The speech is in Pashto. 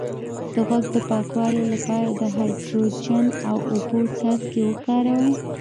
د غوږ د پاکوالي لپاره د هایدروجن او اوبو څاڅکي وکاروئ